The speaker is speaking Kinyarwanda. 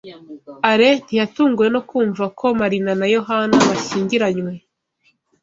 Alain ntiyatunguwe no kumva ko Marina na Yohana bashyingiranywe.